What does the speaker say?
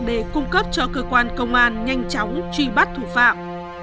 để cung cấp cho cơ quan công an nhanh chóng truy bắt thủ phạm